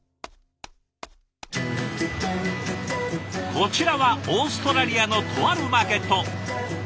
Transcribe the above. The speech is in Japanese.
こちらはオーストラリアのとあるマーケット。